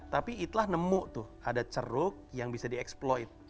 tapi itulah nemu tuh ada ceruk yang bisa dieksploit